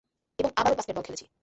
এবং আবারো বাস্কেটবল খেলেছি।